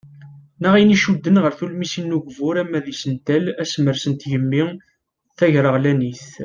Neɣ ayen iccuden ɣer tulmisin n ugbur ama d isental, asemres n tgemmi ,tagreɣlanit.